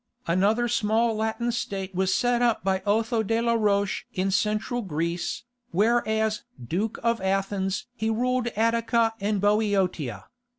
Another small Latin state was set up by Otho de la Roche in Central Greece, where as "Duke of Athens" he ruled Attica and Boeotia.